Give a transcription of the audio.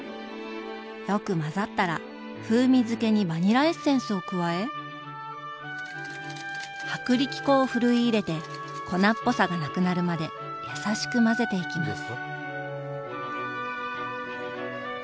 よく混ざったら風味づけにバニラエッセンスを加え薄力粉をふるい入れて粉っぽさがなくなるまで優しく混ぜていきます。